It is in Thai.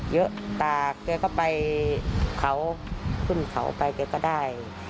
เยอะตากเกรียมเข้าไปเกรียมเข้าไปก็ได้